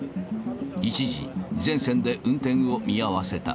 一時、全線で運転を見合わせた。